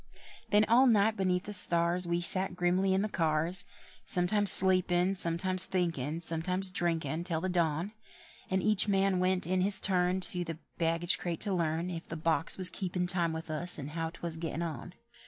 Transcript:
Then all night beneath the stars We sat grimly in the cars, Sometimes sleepin', sometimes thinkin', sometimes drinkin', till the dawn; And each man went in his turn To the baggage crate to learn If the box was keepin' time with us, and how 'twas gettin' on.